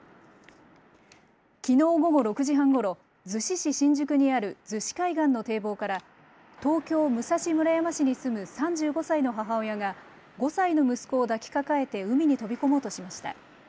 きのう午後６時半ごろ、逗子市新宿にある逗子海岸の堤防から東京武蔵村山市に住む３５歳の母親が５歳の息子を抱きかかえて海に飛び込もうとしました。